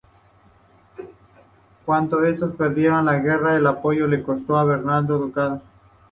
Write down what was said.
Cuando estos perdieron la guerra, el apoyo le costó a Bernardo el Ducado.